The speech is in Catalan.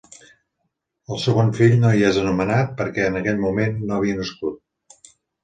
El segon fill no hi és anomenat perquè en aquell moment no havia nascut.